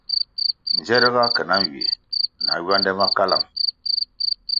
Nze ri ga ke na nywie na ywande ma kalang.